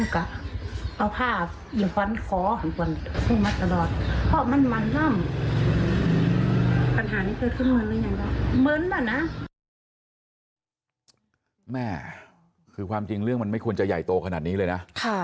คือความจริงเรื่องมันไม่ควรจะใหญ่โตขนาดนี้เลยนะ